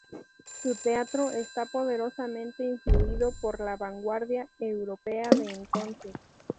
Su teatro está poderosamente influido por la vanguardia europea de entonces.